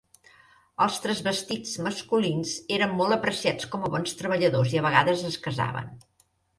Els transvestits masculins eren molt apreciats com a bons treballadors, i a vegades es casaven.